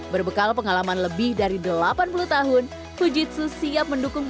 berbekal pengalaman lebih dari delapan puluh tahun fujitsu siap mendukung